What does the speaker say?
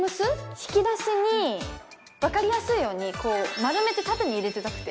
引き出しにわかりやすいようにこう丸めて縦に入れてたくて。